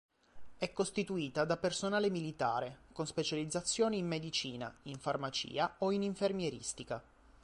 È costituita da personale militare, con specializzazione in medicina, in farmacia o in infermieristica.